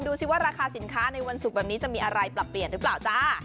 ดูสิว่าราคาสินค้าในวันศุกร์แบบนี้จะมีอะไรปรับเปลี่ยนหรือเปล่าจ้า